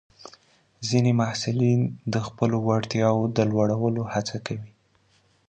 ځینې محصلین د خپلو وړتیاوو د لوړولو هڅه کوي.